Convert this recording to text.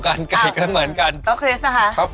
ให้๓๕ครับฮัะให้เถอะ